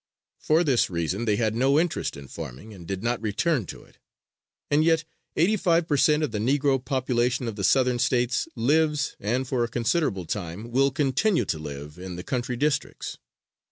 For this reason they had no interest in farming and did not return to it. And yet eighty five per cent. of the Negro population of the Southern states lives and for a considerable time will continue to live in the country districts.